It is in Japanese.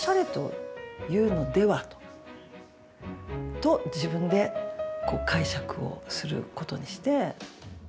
と自分で解釈をすることにして。